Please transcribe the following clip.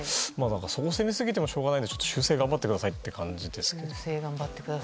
そんなに責めてもしょうがないので修正を頑張ってくださいという感じですけど。